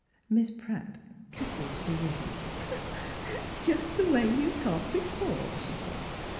Miss Pratt cackled derision. " That's just the way you talked be fore," she said.